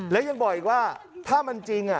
แล้วยังบอกอีกว่าถ้ามันจริง